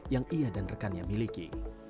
yang ia dan rekannya miliki